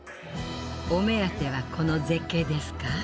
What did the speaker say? お目当てはこの絶景ですか？